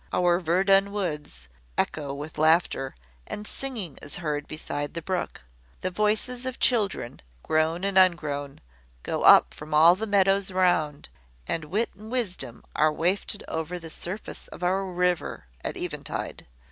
Our Verdon woods echo with laughter; and singing is heard beside the brook. The voices of children, grown and ungrown, go up from all the meadows around; and wit and wisdom are wafted over the surface of our river at eventide.